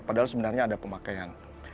padahal sebenarnya ada pemakaian